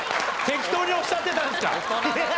適当におっしゃってたんですか！？